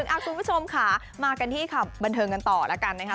คุณผู้ชมค่ะมากันที่ข่าวบันเทิงกันต่อแล้วกันนะคะ